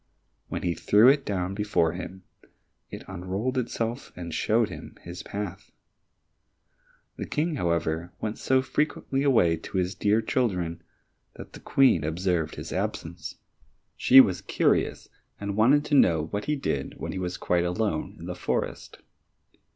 When he threw it down before him, it unrolled itself and showed him his path. The King, however, went so frequently away to his dear children that the Queen observed his absence; she was curious and wanted to know what he did when he was quite alone in the forest.